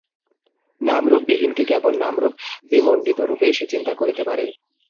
নামরূপ-বিহীনকে কেবল নামরূপ-বিমণ্ডিতরূপেই সে চিন্তা করিতে পারে।